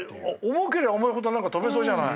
重けりゃ重いほど跳べそうじゃない。